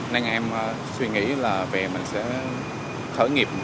nên em suy nghĩ là về mình sẽ thở nghiệp